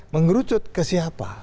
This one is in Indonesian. mengerucut ke siapa